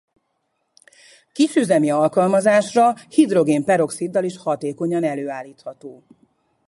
Kisüzemi alkalmazásra hidrogén-peroxiddal is hatékonyan előállítható.